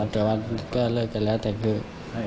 แต่ว่าก็เลิกกันแล้วแต่คือ